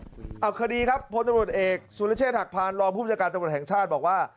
สุดท้ายพบดีครับพตรเอกสุฤเชษฐักพรรณรองค์ผู้จัดการจับบทแห่งชาติบอกว่า